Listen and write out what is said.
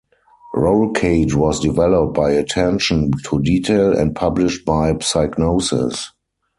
Rollcage was developed by Attention to Detail, and published by Psygnosis.